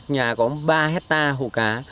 nhà có ba hectare hồ cá